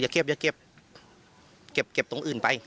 ตำรวจอีกหลายคนก็หนีออกจุดเกิดเหตุทันที